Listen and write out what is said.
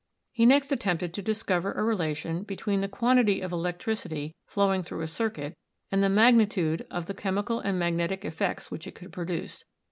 He next attempted to discover a relation between the quantity of electricity flowing through a circuit and the magnitude of the chemical and magnetic effects which it could produce.